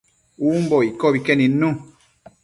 umbo iccobi que nidnu